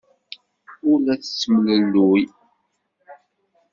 Ur la tettemlelluy.